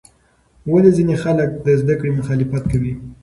ولې ځینې خلک د زده کړې مخالفت کوي؟